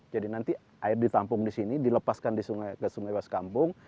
jadi nanti air ditampung di sini dilepaskan ke sungai sungai sekampung